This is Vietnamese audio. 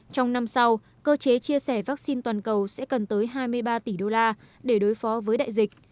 trong năm sau cơ chế chia sẻ vaccine toàn cầu sẽ cần tới hai mươi ba tỷ đô la để đối phó với đại dịch